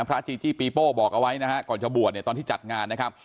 จีจี้ปีโป้บอกเอาไว้นะฮะก่อนจะบวชเนี่ยตอนที่จัดงานนะครับ